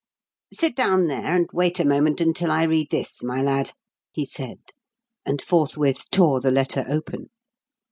"Sit down there and wait a moment until I read this, my lad," he said; and forthwith tore the letter open.